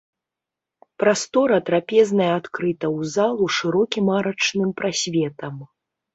Прастора трапезнай адкрыта ў залу шырокім арачным прасветам.